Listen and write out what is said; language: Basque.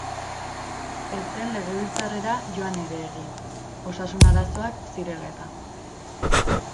Ez zen Legebiltzarrera joan ere egin, osasun arazoak zirela-eta.